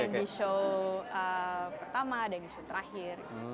ada yang di show pertama ada yang di show terakhir